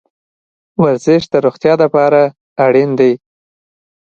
ورزش د روغتیا لپاره اړین ده